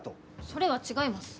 それは違います。